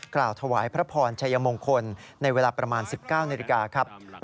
กล่าวถวายพระพรชัยมงคลในเวลาประมาณ๑๙นาที